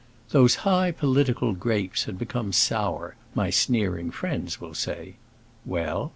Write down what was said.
Those high political grapes had become sour, my sneering friends will say. Well?